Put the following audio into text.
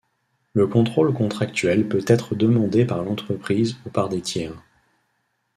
Le contrôle contractuel peut être demandé par l’entreprise ou par des tiers.